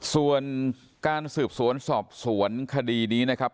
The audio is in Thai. ส่วนการสืบสวนสอบสวนคดีนี้นะครับ